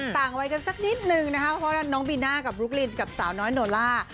ต่างวัยกันสักนิดนึงนะคะเพราะว่าน้องบีน่ากับบลุ๊กลินกับสาวน้อยโนล่า